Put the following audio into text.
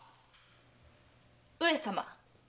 上様。